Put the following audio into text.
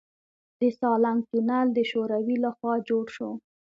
د سالنګ تونل د شوروي لخوا جوړ شو